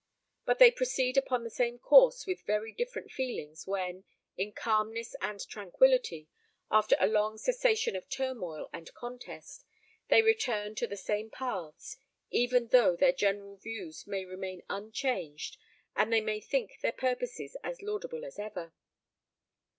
But they proceed upon the same course with very different feelings when, in calmness and tranquillity, after a long cessation of turmoil and contest, they return to the same paths, even though their general views may remain unchanged, and they may think their purposes as laudable as ever.